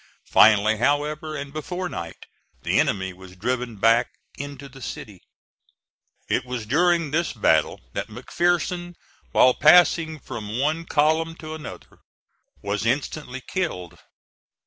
Finally, however, and before night, the enemy was driven back into the city (*26). It was during this battle that McPherson, while passing from one column to another, was instantly killed.